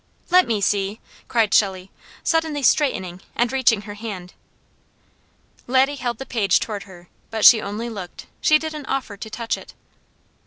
'" "Let me see!" cried Shelley, suddenly straightening, and reaching her hand. Laddie held the page toward her, but she only looked, she didn't offer to touch it.